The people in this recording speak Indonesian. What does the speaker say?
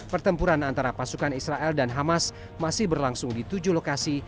pertempuran antara pasukan israel dan hamas masih berlangsung di tujuh lokasi